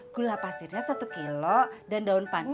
gula pasirnya satu kilo dan daun pan